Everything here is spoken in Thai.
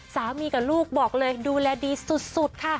สามีกับลูกบอกเลยดูแลดีสุดค่ะ